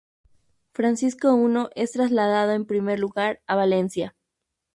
Francisco I es trasladado en primer lugar a Valencia.